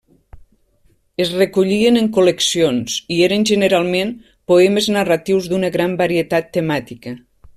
Es recollien en col·leccions i eren generalment poemes narratius d'una gran varietat temàtica.